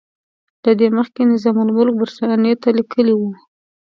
له دې مخکې نظام الملک برټانیې ته لیکلي وو.